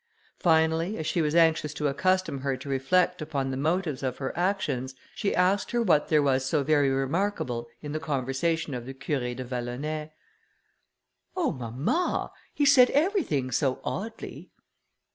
Finally, as she was anxious to accustom her to reflect upon the motives of her actions, she asked her what there was so very remarkable in the conversation of the Curé de Vallonay. "Oh! mamma, he said everything so oddly."